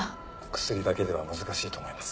薬だけでは難しいと思います。